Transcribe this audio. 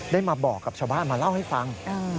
มาบอกกับชาวบ้านมาเล่าให้ฟัง